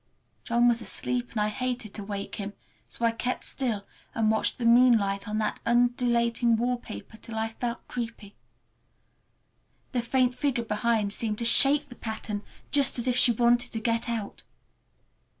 John was asleep and I hated to waken him, so I kept still and watched the moonlight on that undulating wallpaper till I felt creepy. The faint figure behind seemed to shake the pattern, just as if she wanted to get out.